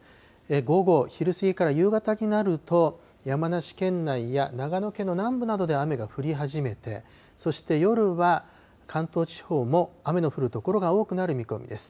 午後、昼過ぎから夕方になると、山梨県内や長野県の南部などで、雨が降り始めて、そして夜は関東地方も雨の降る所が多くなる見込みです。